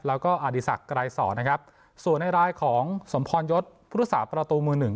แล้วก็อดีศักดิ์ไกรสอนนะครับส่วนในรายของสมพรยศพุทธศาสตร์ประตูมือหนึ่ง